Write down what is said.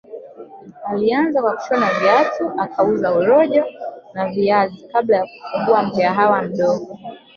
Alianza kwa kushona viatu akauza urojo na viazi kabla ya kufungua mgawaha mdogo